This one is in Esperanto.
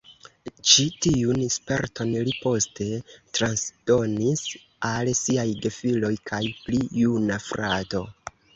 Ĉi tiun sperton li poste transdonis al siaj gefiloj kaj pli juna frato.